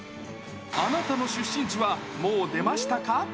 あなたの出身地はもう出ましたか？